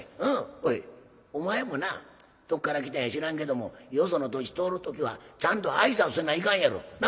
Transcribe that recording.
おいお前もなどっから来たんや知らんけどもよその土地通る時はちゃんと挨拶せないかんやろ。な？